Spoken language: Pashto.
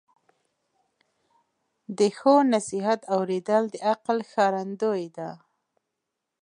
د ښو نصیحت اوریدل د عقل ښکارندویي ده.